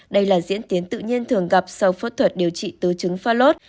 đây là diễn tiến tự nhiên thường gặp sau phẫu thuật điều trị tứ trứng pha lốt